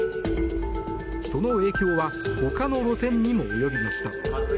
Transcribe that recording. その影響は、他の路線にも及びました。